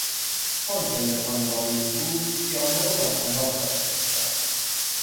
چون پلکان باریک بود پیانو را با طناب بالا کشیدند.